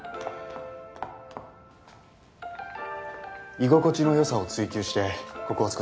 居心地の良さを追求してここを作った。